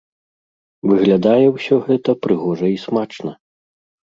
Выглядае ўсё гэта прыгожа і смачна.